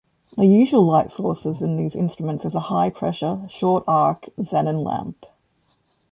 The usual light source in these instruments is a high pressure, short-arc xenon lamp.